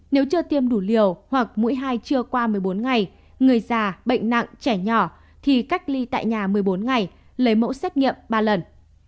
nếu chưa tiêm đủ liều hoặc mũi hai chưa qua một mươi bốn ngày người già bệnh nặng trẻ nhỏ thì cách ly tại nhà một mươi bốn ngày lấy mẫu xét nghiệm ba lần